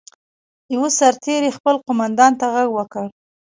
یوه سرتېري خپل قوماندان ته غږ وکړ.